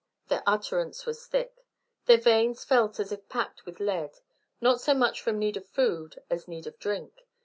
Their utterance was thick. Their veins felt as if packed with lead, not so much from need of food as need of drink.